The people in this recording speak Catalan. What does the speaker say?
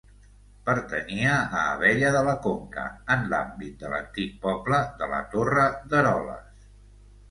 Pertanyia a Abella de la Conca, en l'àmbit de l'antic poble de la Torre d'Eroles.